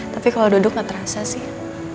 tapi kalau duduk gak terasa sih